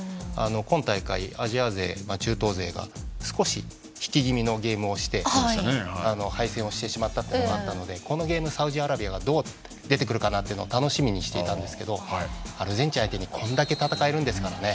今大会、アジア勢、中東勢が少し引き気味のゲームをして敗戦をしてしまったというのもあったのでこのゲームサウジアラビアがどう出てくるかなというのを楽しみにしていたんですけどアルゼンチン相手にこんだけ戦えるんですからね